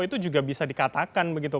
itu juga bisa dikatakan begitu